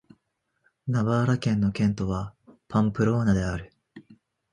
ナバーラ県の県都はパンプローナである